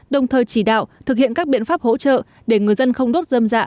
đồng thời chỉ đạo thực hiện các biện pháp hỗ trợ để người dân không đốt dâm dạ